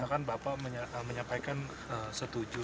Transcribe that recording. tadi beliau menerima bapak menyampaikan setuju